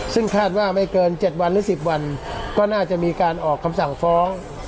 ซึ่งคาดว่าไม่เกิน๗วันหรือ๑๐วันก็น่าจะมีการออกคำสั่งฟ้อง